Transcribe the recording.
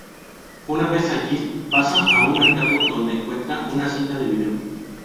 Una vez allí, pasa a un mercado, donde encuentra una cinta de vídeo.